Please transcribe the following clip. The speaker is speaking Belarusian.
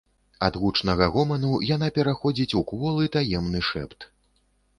Ад гучнага гоману яна пераходзіць у кволы таемны шэпт.